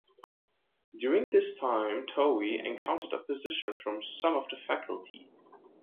During this same time Towey encountered opposition from some of the faculty.